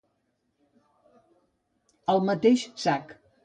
Al mateix sac.